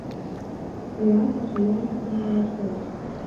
Уи аҵаҟа ҩажәак рыла иаҳәоит.